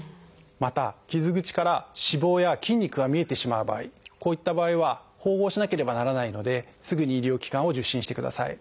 また傷口から脂肪や筋肉が見えてしまう場合こういった場合は縫合しなければならないのですぐに医療機関を受診してください。